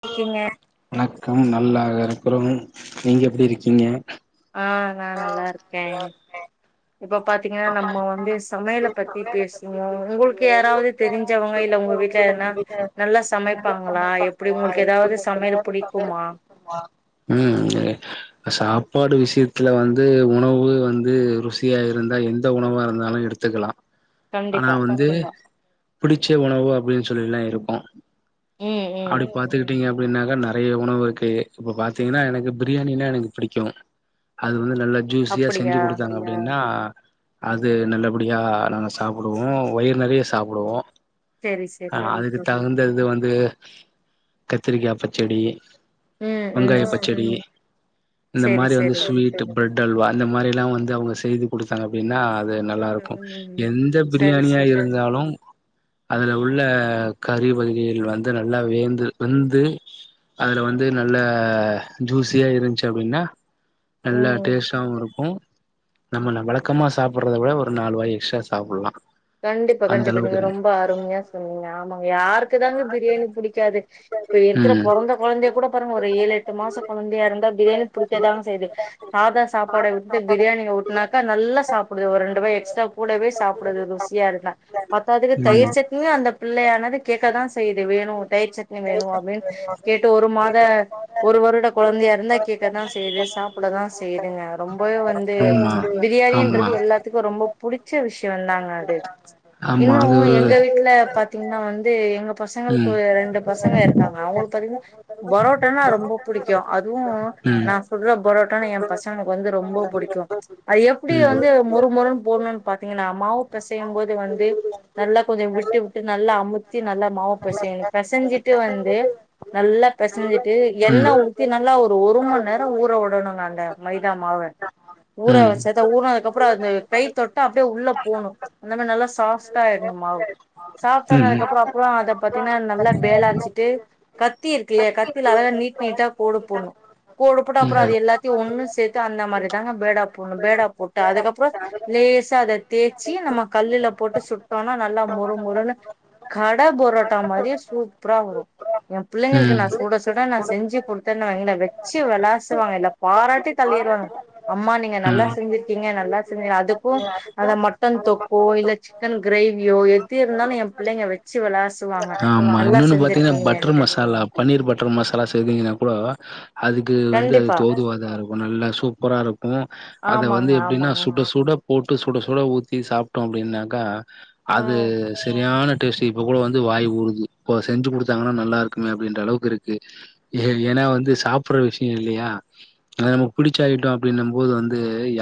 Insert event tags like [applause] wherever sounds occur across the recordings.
இருக்கீங்க வணக்கம் நல்லாக இருக்குறோம் நீங்க எப்பிடி இருக்கீங்க ஆ நா நல்லாருக்கே இப்ப பாத்தீங்கனா நம்ம வந்து சமையல பத்தி பேஸ்வோ உங்கள்க்கு யாராவ்து தெரிஞ்சவங்க இல்ல வீட்ல யார்னா நல்லா சமைப்பாங்களா எப்பிடி உங்கள்க்கு எதாவ்து சமையல் புடிக்குமா ம் எனக் சாப்பாடு விஷ்யத்துல வந்து உணவு வந்து ருசியா இருந் தா எந்த உணவா இருந்தாலு எடுத்துக்கலா ஆனா கண்டிப்பா வந்து ம் பிடிச்ச உணவு அப்டின் சொல்லில்லா இருக்கு ம் ம் அப்டி பாத்துக்கிட்டீங்க அப்டின்னாக்கா நெ றைய உணவு இருக்கு இப்ப பாத்தீங்கனா எனக்கு பிரியாணின்னா எனக்கு பிடிக்கு அது வந்து நல்லா ருசியா செஞ்சு அப்படியா குடுத்தாங்க அப்டின்னா அது நல்லபடியா நாங்க சாப்புடுவோ வயிறு நெறைய சாப்புடுவோ செரி ஆ செரி அதுக்கு தகுந்தது வந்து கத்திரிக்கா பச்சடி ம் ம் வெங்காயபச்சடி செரி இந்தமாரி வந்து செரி ஸ்விட் பிரெட்அல்வா இந்தமாரில்லா வந்து அவுங்க செய்து குடுத்தாங்க அப்டின்னா அது நல்லாருக்கூ ம் ம் எந்த சரி சரி பிரியாணியாருந்தாலு அதுல உள்ள கறிவகைகள் வந்து நல்லா வேந்து வெந்து அதுல வந்து நல்ல ஜூஸியா இருந்ச்சு அப்டின்னா நல்ல ம் டேஸ்டாவு இருக்கூ நம்ம ந வழக்கமா சாப்புட்றத விட ஒரு நாலு வாய் எக்ஸ்ட்ரா சாப்புல்லா கண்டிப்பா கண்டிப்பா நீங்க ரொம்ப அருமையா சொன்னீங்க ஆமாங்க யாருக்கு தாங்க பிரியாணி புடிக்காது இப்ப இருக்குற ம் பொறந்த கொழந்தையகூட பாருங்க ஒரு ஏழு எட்டு மாச கொழந்தையாருந்தா பிரியாணி புடிக்கதாங்க செய்து சாதா சாப்பாடவிட்டு பிரியாணிய ஊட்னாக்க நல்லா சாப்பிடுது ஒரு ரெண்டு வாய் எக்ஸ்ட்ரா கூடவே சாப்பிடுது ருசி யாருக்கா பத்தாதுக்கு ம் தயிர்சட்னியு அந்த பிள்ளையான கேட்க்கதா செய்து வேணு தயிர்சட்னி வேணு அப்டின்னு கேட்டு ஒரு மாத ஒரு வருட கொழந்தைய இருந்தா கேக்கதா செய்து சாப்டதா செய்யுதுங்க ரொம்பவே வந்து ஆமா ஆமா பிரியாணியின்றது எல்லாத்துக்கு ரொம்ப புடிச்ச விஷ்யந்தாங்க அது ஆமா இன்னு அது ஒரு எங்க வீட்ல பாத்தீங்ன்னா வந்து எங்க பசங்கள்க்கு ம் ரெண்டு பசங்க இருக்காங்க அவுங்களுக்கு பாத்தின்னா பரோட்டன்னா ரொம்ப புடிக்கு அதுவூ ம் நா சுட்ற பரோட்டானா எ பசங்களுக்கு வந்து ரொம்ப புடிக்கு அது எப்டி வந்து மொறுமொருனா போட்ணும்னு பார்த்தீங்கன்னா மாவு பெசையும்போது வந்து நல்லா கொஞ்சொ விட்டுவிட்டு ம் நல்லா அமுத்தி நல்லா மாவுபெசயுனு பெசஞ்சிட்டு வந்து நல்லா பெசஞ்சிட்டு எண்ணெ ஊத்தி நல்லா ஒரு ஒரு மண் நேரொ ஊறவுடணுங்க அங்க மைதாமாவ ஊற வச்சதா ஊற்னதுக்கு அப்றொ அந்த கை தொட்ட அப்டே உள்ள போணு அந்த மேர் நல்லா சாஃப்ட்டாயிர்க்குனு மாவு சாஃப்ட்ஆனுத்துக்கு அப்றோ அப்றொ அத பத்தினா நல்லா பேலா வெச்சுட்டு கத்தி இருக்குல்லையா கத்தில அதாலா நீட் நீட்டமா கோடு போன்ணு கோடு போட்டு ம் ம் அப்ற அது எல்லாத்தியு ஒண்ணு சேத்து அந்த மாரி தாங்க பேடா போன்ணும் பேடா போட்டு அதுக்கப்றோ லேசா அத தேச்சி நம்ம கல்லுல போட்டு சுட்டோன்னா நல்லா மொறு மொறுன்னு கடை பொரோட்டா மாரியெ சூப்ரா வரு எபிள்ளைங்களுக்கு நா சுட சுட நா செஞ்சு குட்த்தென்னுவய்ங்கள வெச்சு விளாசுவாங்க இல்ல பாராட்டி தள்ளிருவாங் அம்மா நீங்க நல்லா செஞ்சிர்க்கீங்க நல்லா செஞ் அதுக்கூ அதமட்டன் தொக் ஓ இல்ல சிக்கன் கிரேவியோ இருந்தாலு எ பிள்ளைங்க வெச்சு வெளாசுவாங்க ஆமா நல்லா இன்னொன்னு பாத்தீங்கன்னா பட்டர் செஞ்சிருக்கீங்கன்ட்டு மசாலா பன்னீர் பட்டர் மசாலா செய்தீங்கன்னாகூட அதுக்கு வந்து அது கண்டிப்பா தோதுவாகதா இருக் நல்ல சூப்பராருக்கும் அத ஆமாங்க வந்து எப்டின்னா ஆமாங்க சுடசுட போட்டு சுடசுட ஊத் தி சாப்ட்டோ அப்படின்னாக்கா அது ம் செரியான டேஸ்ட் இப்ப கூட வந்து வாய் ஊறுது ப்ப செஞ்சு குடுத்தாங்கன்னா நல்லா இருக்குமே அப்டின்ற அளவுக்கு இருக்கு எஏன்னா வந்து சாப்புற்ற விஷ்யல்லையா நமக் பிடிச்ச ஆயிட்டொ அப்படின்னபோது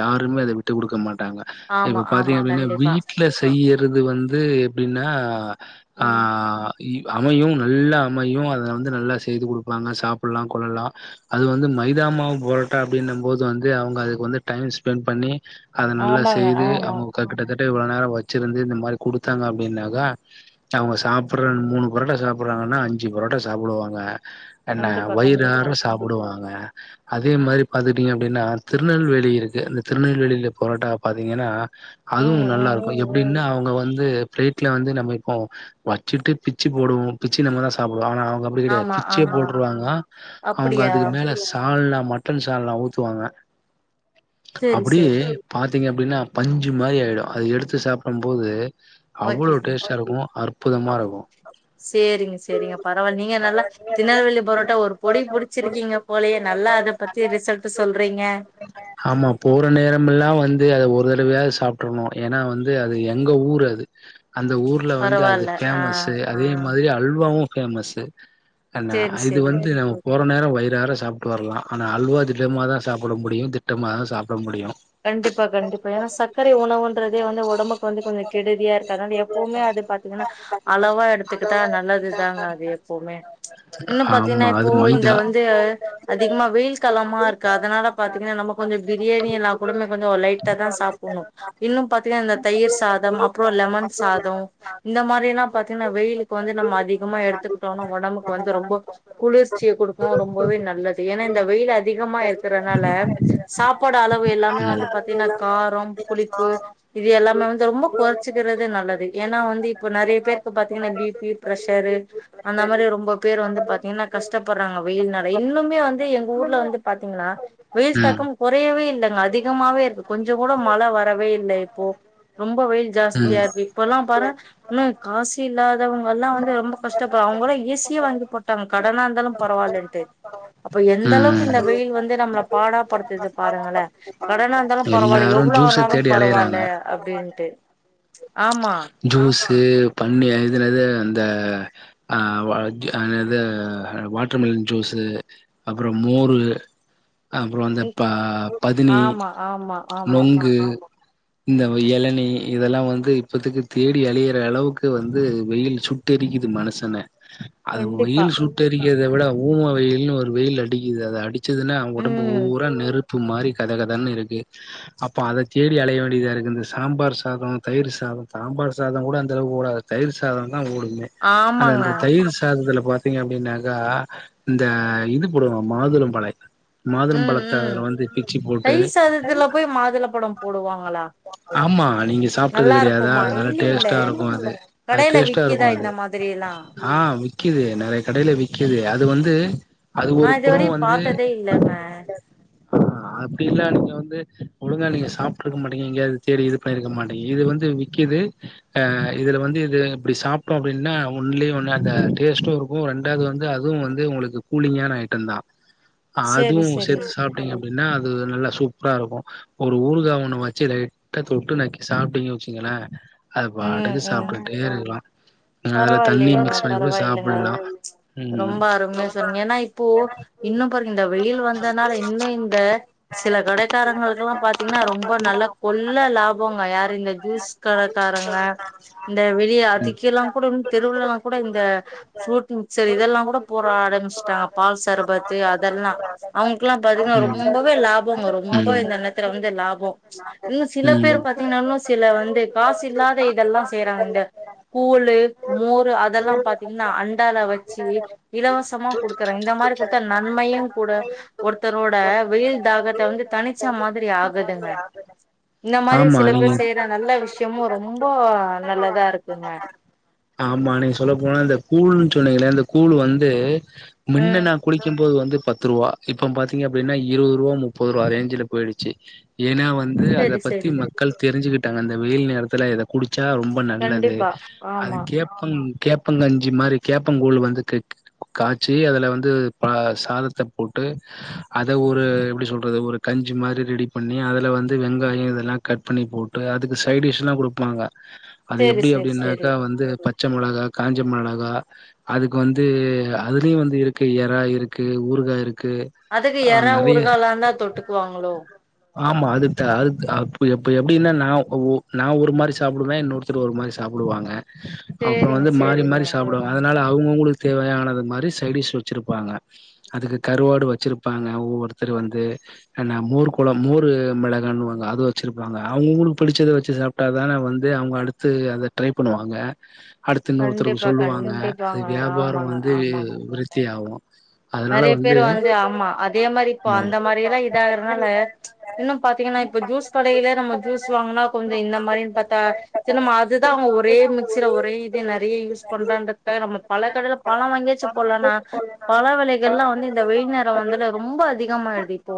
யாருமே அத விட்டு குடுக்க மாட்டாங்க ஆம்மா இப்ப பாத்தீங்க அப்டின்னா வீட்டுல செய்யறது வந்து எப்டின்னா ஆ ம் அமையு நல்ல அமையு அத வந்து நல்லா செய்து குடுப்பாங்க சாப்புல்லா கொள்ளலா அது வந்து மைதாமாவு புரட்டா அப்படின்னம்போது வந்து அவங்க அதுக்கு வந்து டைம்ஸ்பெண் பண்ணி அத நல்லா ஆமாங்க செய்து ஆமா அவுங்க கிட்டத்தட்ட இவ்வளநேரொ வச்சிருந்து இந்த மாரி குடுத்தாங்க அப்டின்னாக்கா அவுங்க சாப்புற்றன் மூணு புரோட்டா சாப்பிடுறாங்கன்னா அஞ்சு புரோட்டா சாப்புடுவாங்க என்ன கண்டிப்பா கண்டிப்பா வயிறார சாப்புடுவாங்க அதே மாரி பாத்துகிட்டீங்க அப்டின்னா திருநெல்வேலி இருக்கு இந்த திருநெல்வேலில புரேட்டா பாத்தீங்கன்னா அதுவு ம் நல்லா ம் இருக்கு எப்டின்னா அவங்க வந்து பிளேட்ல வந்து நம்ம இப்போ வச்சிட்டு பிச்சு போடுவோ பிச்சு நம்மதா சாப்டுவோ ஆனா அவங்க அப்டி கெடையாது ஆமா பிச்சே ஆமா போட்ருவாங்க அவங்க அப்படியா அது மேல சால்னா மட்டன் சால்னா ஊத்துவாங்க சேரி அப்டியே சேரி பாத்தீங்க அப்டின்னா பஞ்சு மாரி ஆய்டு அது எடுத்து சாப்பிடும் போது அவ்ளோ ஓகேங்க டேஸ்ட்டா இருக்கு அற்புதமா அப் இருக்கு சேரிங்க சேரிங்க பரவால்ல நீங்க நல்லா திருநெல்வேலி பரோட்டா ஒரு புடி புடிச்சிருக்கீங்க போலயே நல்லா அத பத்தி ரிசல்டு சொல்றீங்க ஆமா போற நேரமெல்லா வந்து அத ஒரு தடவ்யாது சாப்ட்டரனு ஏன்னா வந்து அது எங்க ஊரு அது அந்த ஊர்ல வந்து அது பரவால்ல ஆ பேமஸு அதே மாரி அல்வாவும் ஃபேமஸு அந்த சேரி இது சேரிங்க வந்து நம் போற நேறோ வயிராற சாப்ட்டு வரலா ஆனா அல்வா திடமாதா சாப்ட முடியு திட்டமாதா சாப்ட முடியு கண்டிப்பா கண்டிப்பா ஏன்னா சக்கரை உணவுன்றதே வந்து ஒடம்புக்கு வந்து கொஞ்சோ கெடுதியா இருக்கு அதனால எப்பவுமே அது பாத் த்தீங்கனா அளவா எடுத்துக்கிட்டா நல் நல்லது தாங்க அது எப்பவுமே இன்னு பாத்தீங்கன்னா ஆமா இப்போ அது இங்க மைதா வந் து அதிகமா வெயில் காலமா இருக்கு அதனால பாத்தீங்கன்னா நம்ம கொஞ்சோ பிரியாணி எல்லா கொழந்த கொஞ்சோ லைட்டாதா சாப்புட்னு இன்னு பாத்தீங்கன்னா அந்த தயிர் சாதம் அப்றோ லெமன் சாதோ இந்த மாரி எல்லா பாத்தீங்கன்னா வெயிலுக்கு வந்து நம்ம அதிகமா எடுத்துக்கிட்டோனா ஒடம்புக்கு வந்து ரொம்போ குளிர்ச்சிய கொடுக்கு ரொம்பவே நல்லது ஏன்னா இந்த வெயில் அதிகமா இருக்கறனால சாப்பாடு அளவு எல்லாமே வந்து பாத்தீன்னா காரோ புளிப்பு இது எல்லாமே வந்து ரொம்ப கொறச்சுக்கறது நல்லது ஏன்னா வந்து இப்போ நெறைய பேர் இப்ப பாத்தீங்கன்னா பி பி பிரஷரு அந்த மாரி ரொம்ப பேர் வந்து பாத்தீங்கன்னா கஷ்டப்படுறாங்க வெயில்நால இன்னுமே வந்து எங்க ஊர்ல வந்து பாத்தீங்கன்னா வெயில் தாக்கம் கொறயவே இல்லங்க அதிக அதிகமாவே இருக்கு கொஞ்சங் கூட மழ வரவே இல்ல இப்போ ரொம்ப வெயில் ம் ஜாஸ்தியாருக்கு இப்பல்லா பாருங்க ன்னு காசு இல்லாதவங்க எல்லா வந்து ரொம்ப கஷ்டப்படுற அவுங்கல்லா ஏ சி யே வாங்கி போட்டாங்க கடனா இருந்தாலு பரவாயில்ன்ட்டு அப்ப எந்த ம் அளவுக்கு இந்த வெயில் வந்து நம்ள பாடாப்படுத்துது பாருங்களே கடனா இருந்தாலு பரவால்ல எல்லாரு எவ்ளோ ஜூஸ ஆனாலு தேடி அலையறாங்க பரவால்ல அப்டின்ட்டு ஆமா ஜூஸ் பன்னீர் இது நெறயா அந்த அ வா என்னது வாட்டர் மெலன் ஜூஸு அப்ரோ மோரு அப்றோ அந்த ம், ப பதினி ஆமா ஆமா ஆமா நொங்கு இந்த எளனி இதெல்லா வந்து இப் பத்துக்கு தேடி அழையிற அளவுக்கு வந்து வெயில் சுட்டெரிக்குது மனுசன அது கண்டிப்பா வெயில் சுட்டெரிக்கறத விட ஊம வெயில்னு ஒரு வெயில் அடிக்குது அது அடி ச்சுதுன்னா அவங்க ஒடம்பு ம் பூரா நெருப்பு மாரி கத கதன்னு இருக்கு அப்போ அத தேடி அலய வேண்டியதா இருக்கு இந்த சாம்பார் சாதோ தயிர் சாதோ சாம்பார் சாதோங் கூட அந்த அளவு ஓடாது தயிர் சாதந்தா ஓடுமே அந்த ஆமாங்க அந்த தயிர் த்தாததுல பாத்தீங்க அப்டின்னாக்கா இந்த இது போடுவோ மாதுளம் பழோ மாதுளம் ம் பழத்த ம் அதுல வந்து பிச்சு போட்டு தை சாதத்துல போய் மாதுளப்பழம் போடுவாங்களா ஆமா நீங்க சாப்டது நல்லா கெடையாதா இருக்குமா நல்ல இல்லைங்களே டேஸ்டா இருக்கு அது அது கடையில டேஸ்ட்டா இருக்கு விக்கிதா அது இந்த மாதிரி எல்லா ஆ விக்குது நெறைய கடைல வி்க்குது அது வந்து அதுக்கு நா ஒரு புறோ இதுவரையு வந்து பாத்ததே இல்லங்க அ அப்டி இல்ல நீங்க வந்து ஒழுங்கா நீங்க சாப்ட்ருக்க மாட்டீங்க நீங்க சேரி இது பண்ணிருக்க மாட்டீங்க இது வந்து வி விக்குது ஆ இதுல வந்து இது இப்டி சாப்புட்டோ அப்டின்னா ஒன்லி ஒன்னு அந்த டேஸ்ட்டு இரு ஓ ரெண்டாவது வந்து அதுவு வந்து உங்களுக்கு கூலிங்கான ஐட்டந்தா அதுவு சேரி சேரி சேத்து சாப்டீங்க அப் அப்டின்னா அது நல்லா சூப்பரா இருக்கு ஒரு ஊறுகா ஒண்ணு வெச்சு லைட்டா தொட்டு நக்கி சாப்டீங்க வெச்சு கீங்களா அது ம் பாட்டுக்கு ம் சாப்டுகிட்டே இருக்கலா அதுல தண்ணி பரவாயில்லையேங்க மிக்ஸ் பண்ணி கூட பரவாயில்லைங்க சாப்புல்லா ரொம்ப அருமையா சொன்னீங்க ஏன்னா இப்போ இன்னும் பாருங்க இந்த வெயில் வந்தனால இன்னு இந்த சில கடைக்காரங்களுக்கு எல்லா பாத்தீங்கன்னா ரொம்ப நல்ல கொல்ல லாப் போங்க யாரு இந்த ஜூஸ் கடக்காரங்க இந்த வெளிய அதுக்கெல்லா கூடனு திருவுழா எல்லாங் கூட இந்த ஃப்ரூட் மிக்சர் இதெல்லாங் கூட போற ஆரம்பிச்சுட்டாங்க பால் சர்பத்து அதெல்லா அவுங்களுக்கெல்லா பாத்தீங்கன்னா ரொம்பவே லாபம் வரு ரொம்ப ம் இந்த எண்ணத்துல வந்து லாபோ ம் ம்ச் இன்னு சில ம் பேரு பாத்தீங்கன்னாலு சில வந்து காசு இல்லாத இதெல்லா செய்றாங்க இங்க கூழு மோரு அதெல்லாம் பாத்தீங்கன்னா அண்டால வெச்சு இலவசமா குடுக்குறாங்க இந்த மாரி குடுத்தா நன்மையுங் கூட ஒருத்தரோட வெயில் தாகத்த வந்து தனிச்ச மாதிரி ஆகுதுங்க இந்த மாரி ஆமா சில நீங்க பேர் செய்யற நல்ல விஷ்யமு ரொம்போ நல்லதா இருக்குங்க ஆமா நீங்க சொல்ல போனா இந்த கூழ்ன்னு சொன்னீங்களே இந்த கூழு வந்து மின்ன ம் நா குடிக்கும் போது வந்து பத் த்துருவா இப்ப பாத்தீங்க அப்டின்னா இருவதுருவா முப்பதுருவா ரேஞ்சுல போயிடுச்சு ஏனா வந் ந்து அத செரி பத்தி செரி மக்கள் தெருஞ்சுக்கிட்டாங்க அந்த வெயில் நேரத்துல இத குடுச்சா ரொம் ரொம்ப நல்லது கண்டிப்பா அது ஆமா கேப்பங் கேப்பங்கஞ்சி மாரி கேப்பங்கூழ் வந்து கெக்கு காச்சி அதுல வந்து ப சாதத்த போட்டு அத ஒரு எப்டி சொல்றது ஒரு கஞ்சி மாரி ரெடி பண்ணி அதுல வந்து வெங்காயோ இதெல்லா கட் பண்ணி போ ட்டு அதுக்கு சைடிஷ் எல்லா குடுப்பாங்க அது சேரி எப்டி சேரி சேரி அப்டின்னாக்கா வந்து பச் பச்ச மொளகா காஞ்ச மெளகா அதுக்கு வந்து அதுலயு வந்து இருக்கு எறா இருக்கு ஊறுகா இருக்கு அதுக்கு ஆ எறா நெறைய ஊறுகால்லாந்தா தொட்டுக்குவாங்களோ ஆமா அதுத்த அது அ எப்ப எப்பு அப்டின்னா நா ஒ நா ஒரு மாரி சாப்புடுவ இன்னொருத்தரு ஒரு மாரி சாப்புடுவாங்க அப்புறோ சேரிங்க வந்து மாறி சேரிங்க மாறி சாப்டுவாங்க ம் அதனால அவங்கவுங்களுக்கு தேவையானது மாரி சைடிஸ் வெச்சுருப்பாங்க அதுக்கு கருவாடு வெச்சுருப்பாங்க ஒவ்வொருத்தரு வந்து என்னா மோர் கொளம் மோரு மிளகாண்ணுவாங்க அது வெச்சுருப்பா அங்க அவங்கவுங்களுக்கு புடிச்சத வெச்சு சாப்டா தான வந்து அவங்க அடுத்து அத ட்ரை பண்ணுவாங்க அடுத்து இன்னொருத்தருக்கு கண்டிப்பா சொல்லுவாங்க அது கண்டிப்பாங்க வியாபாரோ ஆமாங்க வந்து விருத்தியாகு நறையா பேரு வந்து ஆமா அதே மாரி இப்போ ம் அந்த மாரி எல்லா இதாகறனால ம்ச் இன்னும் பாத்தீங்கன்னா இப்ப ஜூஸ் கடையில நம்ம ஜூஸ் வாங்குனா கொஞ்சோ இந்த மாரின் பாத்தா சிலம்ம அதுதா அவங்க ஒரே மிக்சியில ஒரே இ இது நறையா யூஸ் பண்றான்றதுக்காக நம்ம பல கடைல பழோ வாங்கியாச்சு போல்லான்னா சொல்லுங்க புள்ளைகள்லா வந்து இந்த வெயில் நேரோ வந்ததுல ரொம்ப அதிகமாடிது இப்போ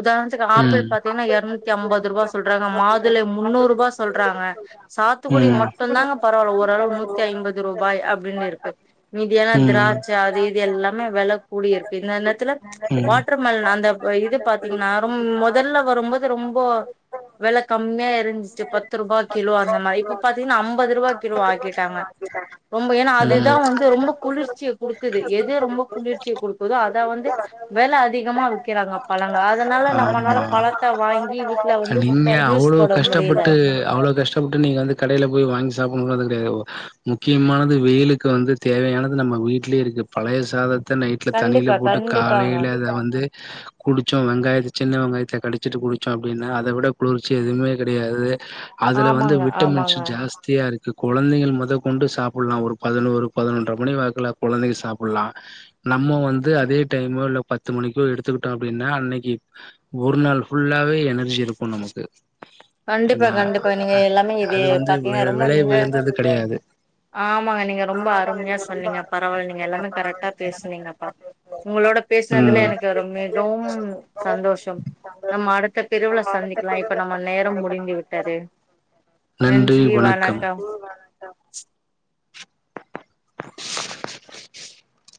உதாரணத் த்துக்கு ஆப்பிள் பாத்தீங்கன்னா எரநூத்தி அம்பதுருவா சொல்றாங்க மாதுளை முன்னூறூபா சொல்றாங்க சாத்துக்குடி மட்டுந்தாங்க பரவால்ல ஓரளவு நூத்தி ஐம்பது ரூபாய் அப்டின் இருக்கு மீதி எல்லாமே அப்டின்னு திராட்ச அது இது எல்லாமே வெலக் இருக்கு இந்த நேரத்துல வாட்டர் மெலன் அந்த இது பாத்தீங்கன்னா ரொம் மொதல்ல வரும்போது ரொம்போ வெலை கம்மியா இருந்துச்சு பத்து ரூபா கிலோ அந்த மாரி இப்ப பாத்தீங்கன்னா ஐம்பது ரூவா கிலோ ஆக்கிட்டாங்க ரொம்ப ஏனா அதுதா வந்து ரொம்ப குளிர்ச்சிய குடுக்குது எது ரொம்ப குளிர் ச்சி குடுக்குதோ அத வந்து வெல அதிகமா விக்கிறாங்க பழங்க அத ஆமா வந்து நீங்க ஜூஸ் அவ்ளோ போட முடியல கஷ்டப்பட்டு அவ்ளோ கஷ்டப்பட்டு நீங்க வந்து கடையில போய் வாங்கி சாப்ணு அது கெடையாது முக்கியமானது வெயிலுக்கு வந்து தேவையானது நம்ம வீட்லே இருக்கு பழைய சாதத் த நைட்ல தண்ணியில கண்டிப்பா போட்டு கண்டிப்பாங்க காலையில வந்து அத வந்து குடிச்சோ வெங்காயத் சின்ன வெங்காயத்த கடிச்சிட்டு குடிச்சோ அப்டின்னா அத விட குளிர்ச்சி எதுவுமே கெடையாது அதுல வந்து ஆமாங்க விட்டமின்ஸ் ஆமாங்க ஜாஸ் த்தியா இருக்கு குழந்தைங்க மொதகொண்டு சாப்புலா ஒரு பதினோரு பதினொன்றர மணி வாக்குல கொழந்தைங்க சாப்புல்லா நம்ம வந்து அதே டைமோ இல்ல பத்து மணிக்கோ எடுத்துக்கிட்டோ அப்டின்னா அன்னைக்கி ஒரு நாள் ஃபுல்லாவே எனர்ஜி இருக்கு நமக்கு கண்டிப்பா ஏன்னா கண்டிப்பா நீங்க எல்லாமே இது அது வந்து பாத்தீங்கன்னா வில ரொம்ப விலை அந்த இத உயர்ந்தது கெடையாது ஆமாங்க நீங்க ரொம்ப அருமையா சொன்னீங்க பரவால்ல நீங்க எல்லாமே கரெக்டா பேசுனீங்கப்பா உங்களோட பேசுனதுல ம் எனக்கு ரொம்பே ரொம் சந்தோஷம் நம்ம அடுத்த பிரிவுல சந்திக்கலா இப்ப நம்ம நேரம் முடிந்து விட்டது நன்றி வணக்கம் [inaudible]